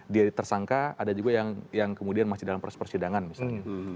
dari tersangka ada juga yang kemudian masih dalam proses persidangan misalnya